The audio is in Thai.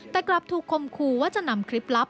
แต่กลับถูกคมคูว่าจะนำคลิปลับ